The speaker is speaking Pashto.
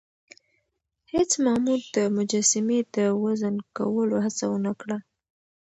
هیڅ مامور د مجسمې د وزن کولو هڅه ونه کړه.